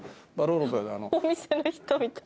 お店の人みたい。